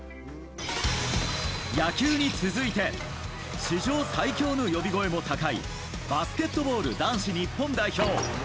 野球に続いて史上最強の呼び声も高いバスケットボール男子日本代表。